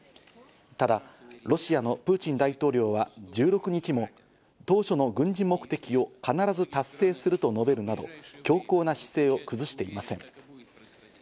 ただロシアのプーチン大統領は１６日も当初の軍事目的を必ず達成すると述べるなど、強硬な姿勢を崩していません。